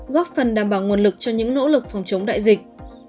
góp phần đảm bảo nguồn lực cho những nỗ lực phòng chống đại dịch